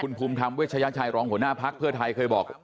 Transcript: คุณภูมิทำเวชยังชายรองหัวหน้าภักร์เพื่อไทยเคยบอก